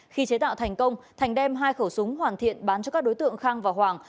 khi chế tạo thành công thành đem hai khẩu súng hoàn thiện bán cho các đối tượng khang và hoàng